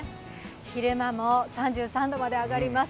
昼間も３３度まで上がります。